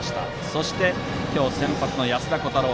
そして今日、先発の安田虎汰郎。